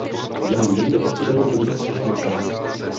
Měli mírně poškozenou pouze střešní část.